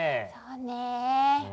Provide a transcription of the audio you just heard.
そうね。